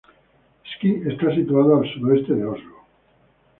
Ski está situado al sudeste de Oslo.